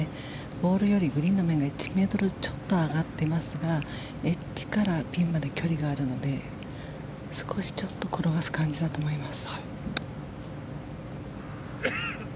ボールよりグリーンの面が１ｍちょっと上がっていますがエッジからピンまで距離があるので少し、ちょっと転がす感じだと思います。